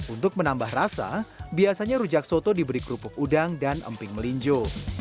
untuk menambah rasa biasanya rujak soto diberi kerupuk udang dan emping melinjo